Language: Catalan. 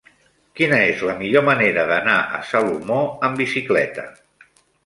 Quina és la millor manera d'anar a Salomó amb bicicleta?